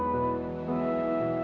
soal pengusuran panti ini